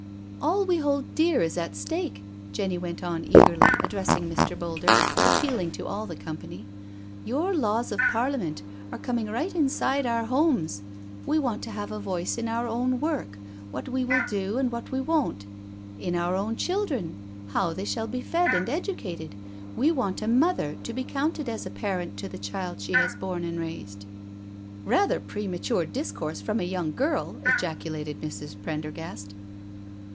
" All we hold dear is at stake," Jenny went on eagerly, addressing Mr. Boulder but appealing to all the company. " Your laws of Parliament are coming right inside our homes. We want to have a voice in our own work, what we will do, and what we won't — in our own children— how they shall be fed and edu cated—we want a mother to be counted as a parent to the child she has borne and raised *' ''Rather premature discourse from a young girl I" ejaculated Mrs. Prendergast.